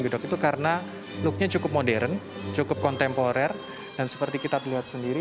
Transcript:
gedok itu karena looknya cukup modern cukup kontemporer dan seperti kita lihat sendiri